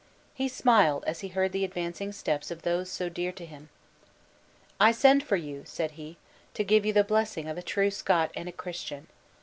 He smiled as he heard the advancing steps of those so dear to him. "I send for you," said he, "to give you the blessing of a true Scot and a Christian!